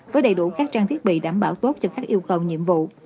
với đầy đủ các trang thiết bị đảm bảo tốt cho các yêu cầu nhiệm vụ